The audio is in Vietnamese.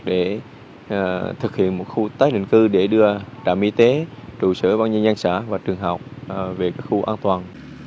để thực hiện một khu tái định cư để đưa trảm y tế trụ sở bằng nhân nhân xã và trường học về các khu an toàn